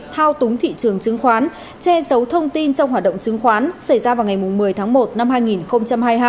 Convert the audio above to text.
thao túng thị trường chứng khoán che giấu thông tin trong hoạt động chứng khoán xảy ra vào ngày một mươi tháng một năm hai nghìn hai mươi hai